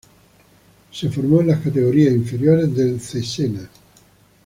Se formó en las categorías inferiores del Cesena.